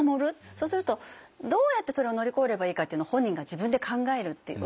そうするとどうやってそれを乗り越えればいいかっていうの本人が自分で考えるっていうわけですよね。